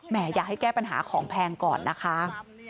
อยากให้แก้ปัญหาของแพงก่อนนะคะ